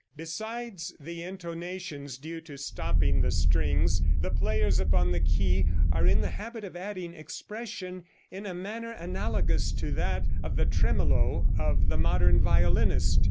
Besides the intonations due to stopping the strings, the players upon the ke are in the habit of adding expression in a manner analogous to that of the tremolo of the modern violinist.